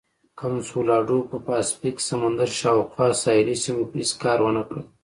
کنسولاډو په پاسفیک سمندر شاوخوا ساحلي سیمو کې هېڅ کار ونه کړ.